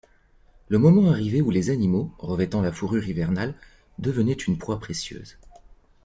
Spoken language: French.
Le moment arrivait où les animaux, revêtant la fourrure hivernale, devenaient une proie précieuse.